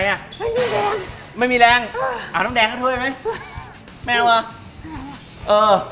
ไม่มีแรงไม่มีแรงอ้าวต้องแดงกันด้วยไหมไม่เอาอ่ะเออ